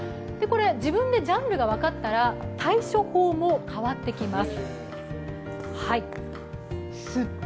自分でジャンルが分かったら対処法も変わってきます。